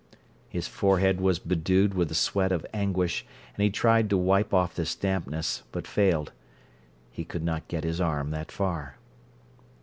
His forehead was bedewed with the sweat of anguish, and he tried to wipe off this dampness, but failed. He could not get his arm that far.